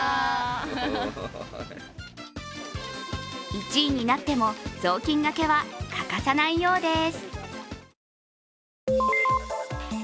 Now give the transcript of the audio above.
１位になっても雑巾がけは欠かさないようです。